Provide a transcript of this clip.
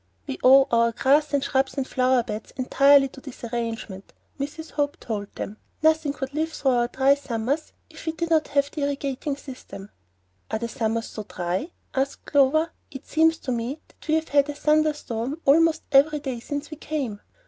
"We owe our grass and shrubs and flower beds entirely to this arrangement," Mrs. Hope told them. "Nothing could live through our dry summers if we did not have the irrigating system." "Are the summers so dry?" asked Clover. "It seems to me that we have had a thunder storm almost every day since we came."